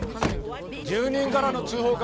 住人からの通報か。